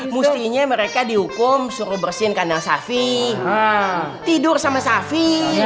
mestinya mereka dihukum suruh bersihin kandang sapi tidur sama safi